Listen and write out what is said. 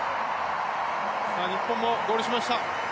日本もゴールしました。